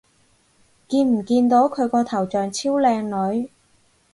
見唔見到佢頭像超靚女